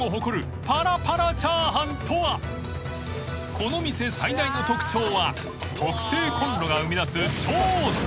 ［この店最大の特徴は特製コンロが生みだす］